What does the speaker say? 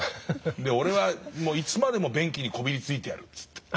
「俺はいつまでも便器にこびりついてやる」って。